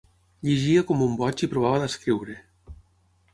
Llegia com un boig i provava d'escriure.